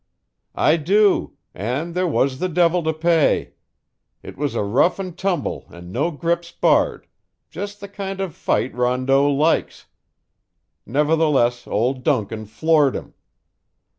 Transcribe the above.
"I do and there was the devil to pay. It was a rough and tumble and no grips barred just the kind of fight Rondeau likes. Nevertheless old Duncan floored him.